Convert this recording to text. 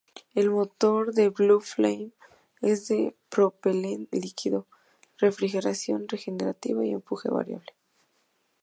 El motor del "Blue Flame" es de propelente líquido, refrigeración regenerativa y empuje variable.